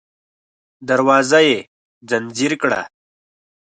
دروازه يې ځنځير کړه.